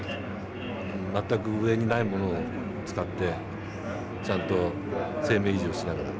全く上にないものを使ってちゃんと生命維持をしながら。